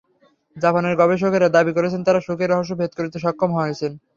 জাপানের গবেষকেরা দাবি করেছেন, তাঁরা সুখের রহস্য ভেদ করতে সক্ষম হয়েছেন।